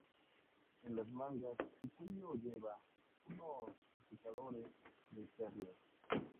En las mangas y cuello lleva unos sujetadores de perlas.